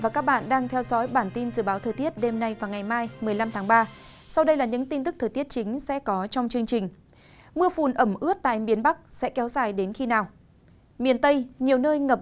các bạn hãy đăng ký kênh để ủng hộ kênh của chúng mình nhé